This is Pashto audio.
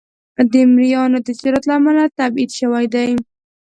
د مریانو د تجارت له امله تبعید شوی دی.